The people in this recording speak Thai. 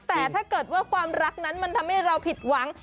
แต่ถ้าเกิดว่าความรักนั้นมันทำให้เราผิดหวัง